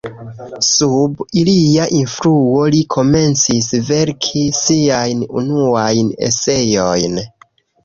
Sub ilia influo li komencis verki siajn unuajn eseojn.